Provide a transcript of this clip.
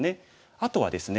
あとはですね